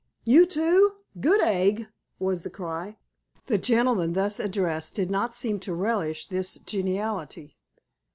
"You, too? Good egg!" was the cry. The gentleman thus addressed did not seem to relish this geniality.